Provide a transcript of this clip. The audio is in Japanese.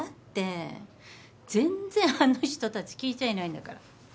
全然あの人たち聞いちゃいないんだから。